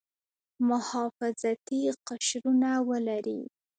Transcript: محافظتي قشرونه ولري.